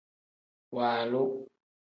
Waalu.